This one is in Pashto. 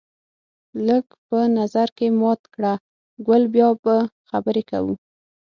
لږ په نظر کې مات کړه ګل بیا به خبرې کوو